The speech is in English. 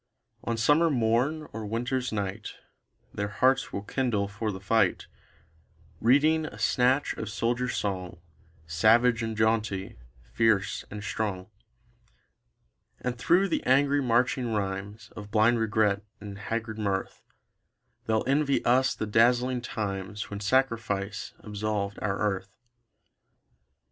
On summer morn or winter's night, Their hearts will kindle for the fight, Reading a snatch of soldier song, Savage and jaunty, fierce and strong; And through the angry marching rhymes Of blind regret and haggard mirth, They'll envy us the dazzling times When sacrifice absolved our earth.